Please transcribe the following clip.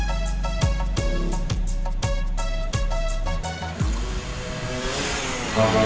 harusnya telepon penting bukan oke